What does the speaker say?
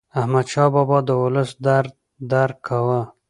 احمدشاه بابا د ولس درد درک کاوه.